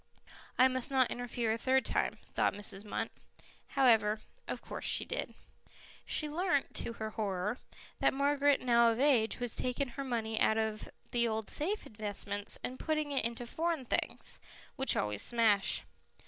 "I must not interfere a third time," thought Mrs. Munt. However, of course she did. She learnt, to her horror, that Margaret, now of age, was taking her money out of the old safe investments and putting it into Foreign Things, which always smash.